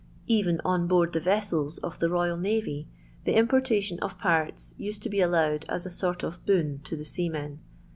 Even on board the vessels of the ro}'al navy, the importation of parrots used to be allowed as a sort of boon to the seamen.